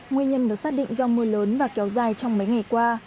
nguyên nhân được xác định do mưa lớn và kéo dài trong mấy ngày qua